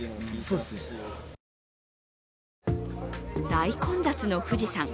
大混雑の富士山。